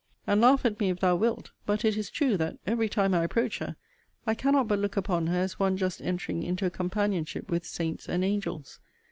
And laugh at me if thou wilt; but it is true that, every time I approach her, I cannot but look upon her as one just entering into a companionship with saints and angels.